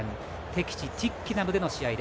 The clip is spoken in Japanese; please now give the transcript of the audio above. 敵地、トゥイッケナムでの試合。